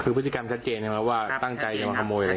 คือพฤติกรรมแชดเจนแหละว่าตั้งใจถึงต้องขโมยเนี่ย